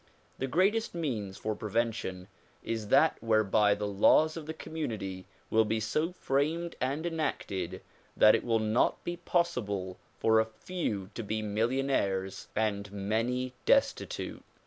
The greatest means for prevention is that whereby the laws of the community will be so framed and enacted that it will not be possible for a few to be millionaires and many destitute.